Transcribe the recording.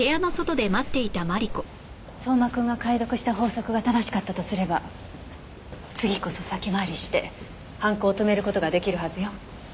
相馬くんが解読した法則が正しかったとすれば次こそ先回りして犯行を止める事が出来るはずよ。